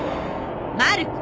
まる子！